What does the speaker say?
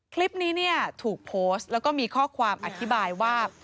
คลิปนี้เนี่ยถูกโพสต์แล้วก็มีข้อความอธิบายว่า